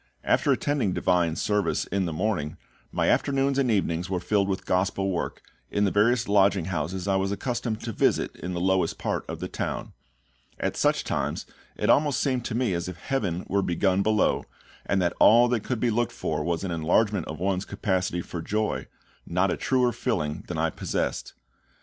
After attending Divine service in the morning, my afternoons and evenings were filled with Gospel work, in the various lodging houses I was accustomed to visit in the lowest part of the town. At such times it almost seemed to me as if heaven were begun below, and that all that could be looked for was an enlargement of one's capacity for joy, not a truer filling than I possessed.